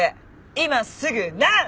今すぐナウ！